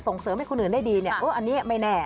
เสริมให้คนอื่นได้ดีเนี่ยโอ้อันนี้ไม่แน่